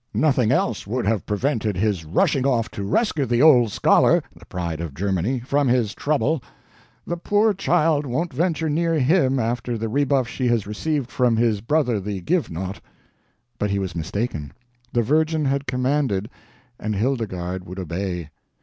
Nothing else would have prevented his rushing off to rescue the old scholar, the pride of Germany, from his trouble. The poor child won't venture near HIM after the rebuff she has received from his brother the Givenaught." But he was mistaken. The Virgin had commanded, and Hildegarde would obey.